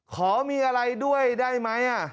ขอมีอะไรด้วยได้ไหม